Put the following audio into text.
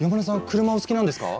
車お好きなんですか？